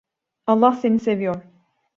Allah seni seviyor.